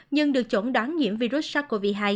nhưng được chuẩn đoán nhiễm virus sars cov hai